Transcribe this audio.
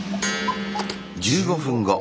１５分。